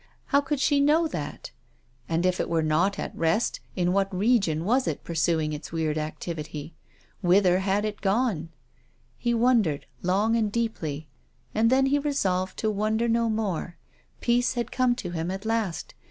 How could she know that ? And if it were not at rest, in what region was it pursuing its weird activity ? Whither had it gone? He wondered long and deeply. And then he resolved to wonder no more. Peace had come to him at last.